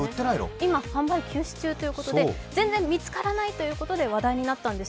今、販売休止中ということで全然見つからないということで話題になったんです。